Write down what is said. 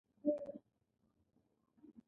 هر يو يې په فرعي دوهم او درېم نامه چټياټ خپروي.